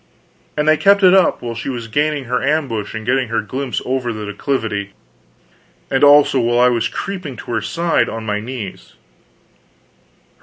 And they kept it up while she was gaining her ambush and getting her glimpse over the declivity; and also while I was creeping to her side on my knees.